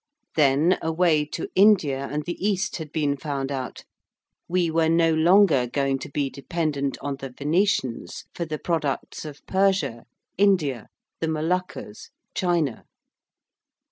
Then a way to India and the East had been found out: we were no longer going to be dependent on the Venetians for the products of Persia, India, the Moluccas, China.